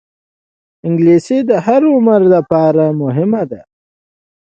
انګلیسي د هر عمر لپاره مهمه ده